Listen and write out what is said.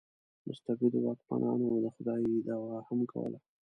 مستبدو واکمنانو د خدایي دعوا هم کوله.